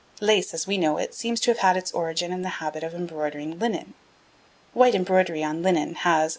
Lace, as we know it, seems to have had its origin in the habit of embroidering linen. White embroidery on linen has, M.